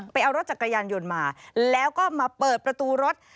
ไปเอารถจักรยานยนต์มาแล้วก็มาเปิดประตูรถ